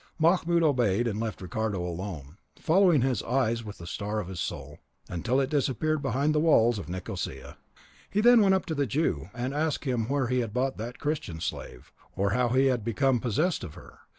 Mahmoud obeyed and left Ricardo alone, following with his eyes the star of his soul, until it disappeared behind the walls of Nicosia. He then went up to the Jew, and asked him where he had bought that Christian slave, or how he had become possessed of her.